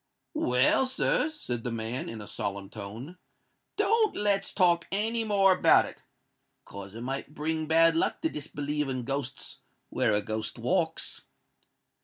"Well, sir," said the man, in a solemn tone, "don't let's talk any more about it—'cos it might bring bad luck to disbelieve in ghosts where a ghost walks."